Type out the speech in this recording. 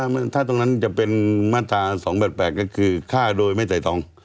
ถ้าตรงนั้นจะเป็นมาตรา๒๘๘ก็คือฆ่าโดยไม่ใส่ตอง